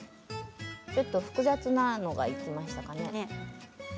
ちょっと複雑なものがいっちゃいましたかね。